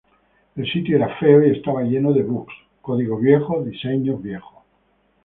El sitio era feo y estaba lleno de bugs, código viejo, diseños viejos.